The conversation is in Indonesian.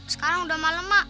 sekarang udah malem mak